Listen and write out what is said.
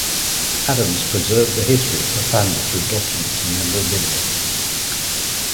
Adams preserved the history of her family through documents and memorabilia.